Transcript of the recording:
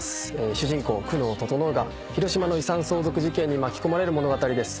主人公久能整が広島の遺産相続事件に巻き込まれる物語です。